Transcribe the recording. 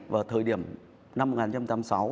vào thời điểm năm một nghìn chín trăm tám mươi sáu